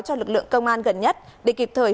cho lực lượng công an gần nhất để kịp thời